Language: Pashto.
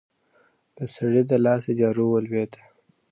د سړي له لاسه جارو ولوېده.